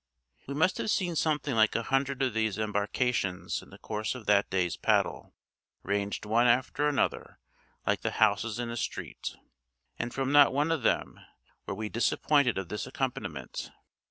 We must have seen something like a hundred of these embarkations in the course of that day's paddle, ranged one after another like the houses in a street; and from not one of them were we disappointed of this accompaniment.